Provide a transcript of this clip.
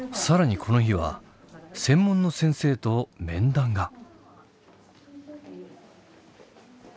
更にこの日は専門の先生と面談が。